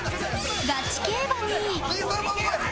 ガチ競馬に